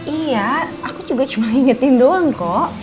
iya aku juga cuma ingetin doang kok